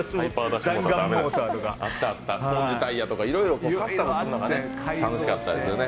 スポンジタイヤとかいろいろカスタムするのが楽しかったですよね。